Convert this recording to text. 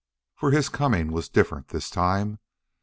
For his coming was different this time.